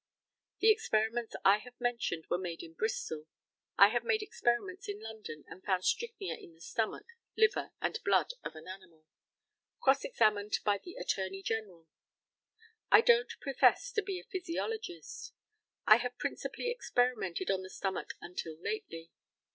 The experiments I have mentioned were made in Bristol. I have made experiments in London, and found strychnia in the stomach, liver, and blood of an animal. Cross examined by the ATTORNEY GENERAL: I don't profess to be a physiologist. I have principally experimented on the stomach until lately.